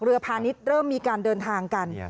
เรือพานิษฐ์เริ่มมีการเดินทางกัน